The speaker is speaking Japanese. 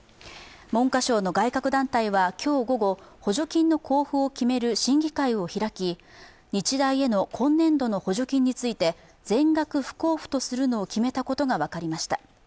文科省の外郭団体は今日午後補助金の交付を決める審議会を開き日大への今年度の補助金について全額不交付とするのを決めたことが分かりました。